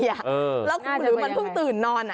แล้วหรือมันเพิ่งตื่นนอน